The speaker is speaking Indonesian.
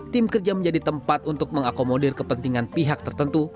tim kerja menjadi tempat untuk mengakomodir kepentingan pihak tertentu